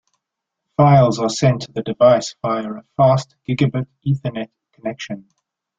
Files are sent to the device via a fast gigabit Ethernet connection.